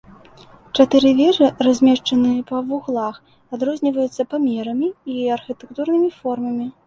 Чатыры вежы, размешчаныя па вуглах, адрозніваюцца памерамі і архітэктурнымі формамі.